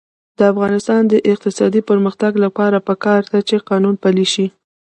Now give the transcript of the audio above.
د افغانستان د اقتصادي پرمختګ لپاره پکار ده چې قانون پلی شي.